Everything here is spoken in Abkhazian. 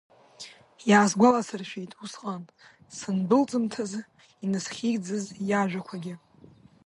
Иаасгәаласыршәеит, усҟан, сындәылҵымҭазы инасхьигӡаз иажәақәагьы.